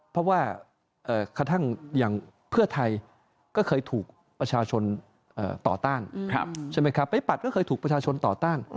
อย่างเพื่อไทก็เคยถูกประชาชนต่อต้าน